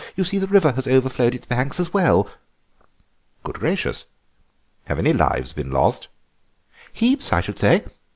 You see the river has overflowed its banks as well." "Good gracious! Have any lives been lost?" "Heaps, I should say.